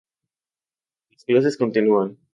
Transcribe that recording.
Las clases continúan.